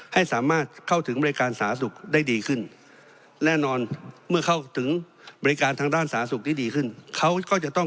ให้สามารถเข้าถึงบริการสาธารณสุขได้ดีขึ้นแน่นอนเมื่อเข้าถึงบริการทางด้านสาธารณสุขที่ดีขึ้นเขาก็จะต้อง